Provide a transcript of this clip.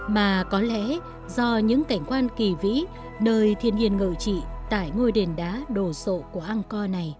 mà có lẽ do những cảnh quan kỳ vĩ nơi thiên hiền ngợi trị tại ngôi đền đá đồ sộ quốc